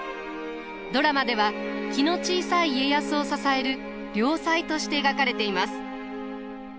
ドラマでは気の小さい家康を支える良妻として描かれています。